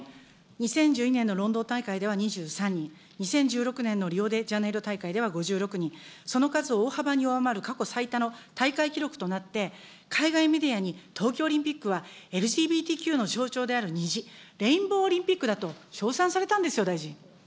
２０１２年のロンドン大会では２３人、２０１６年のリオデジャネイロ大会では５６人、その数を大幅に上回る過去最多の大会記録となって、海外メディアに東京オリンピックは、ＬＧＢＴＱの象徴である虹、レインボーオリンピックだと称賛されたんですよ、大臣。